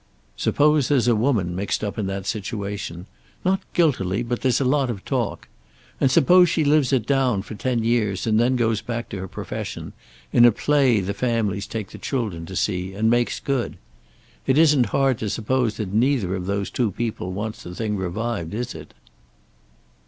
"Suppose there's a woman mixed up in that situation. Not guiltily, but there's a lot of talk. And suppose she lives it down, for ten years, and then goes back to her profession, in a play the families take the children to see, and makes good. It isn't hard to suppose that neither of those two people wants the thing revived, is it?"